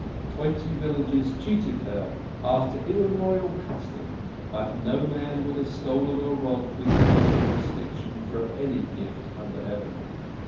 Twenty villages cheated her after immemorial custom, but no man would have stolen or robbed within her jurisdiction for any gift under heaven.